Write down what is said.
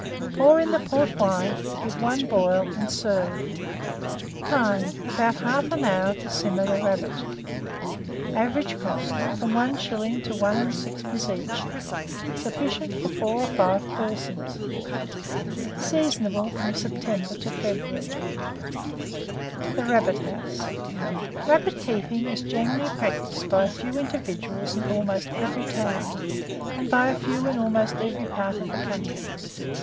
Pour in the port wine, give one boil, and serve. Time. About 1/2 hour to simmer the rabbit. Average cost, from 1s. to 1s. 6d. each. Sufficient for 4 or 5 persons. Seasonable from September to February. THE RABBIT HOUSE. Rabbit keeping is generally practised by a few individuals in almost every town, and by a few in almost every part of the country.